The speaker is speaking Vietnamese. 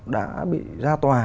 đã bị ra tòa